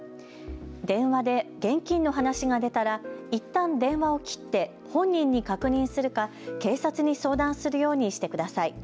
電話で現金の話が出たらいったん電話を切って本人に確認するか警察に相談するようにしてください。